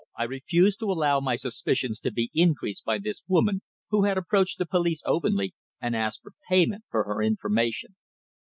I refused to allow my suspicions to be increased by this woman who had approached the police openly and asked for payment for her information.